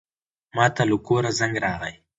ماته له کوره زنګ راغی.